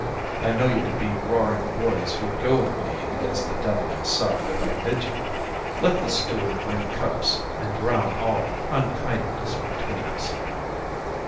I know you to be roaring boys who would go with me against the devil himself if I bid you. Let the steward bring cups and drown all unkindness between us."